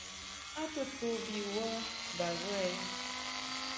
A to to bi wə ba ghə ɛ?